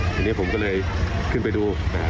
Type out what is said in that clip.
อย่างนี้ผมก็เลยขึ้นไปดูนะฮะ